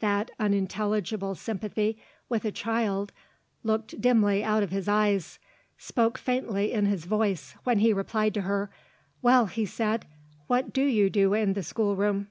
That unintelligible sympathy with a child looked dimly out of his eyes, spoke faintly in his voice, when he replied to her. "Well," he said, "what do you do in the schoolroom?"